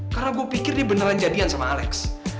karena gue pikir dia beneran jadian sama alex